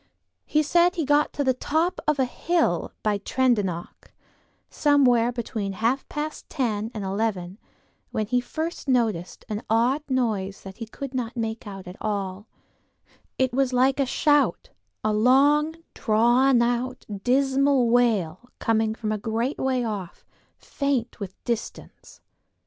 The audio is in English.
He said he had got to the top of the hill by Tredonoc, somewhere between half past ten and eleven, when he first noticed an odd noise that he could not make out at all; it was like a shout, a long, drawn out, dismal wail coming from a great way off, faint with distance.